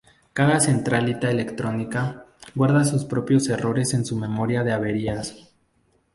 Cada centralita electrónica guarda sus propios errores en su memoria de averías.